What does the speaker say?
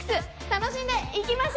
楽しんでいきましょ！